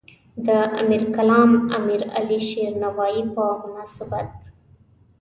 د امیرالکلام امیرعلی شیرنوایی په مناسبت.